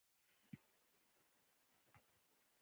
د رسنیو له لارې خلک د نړۍ حال اوري.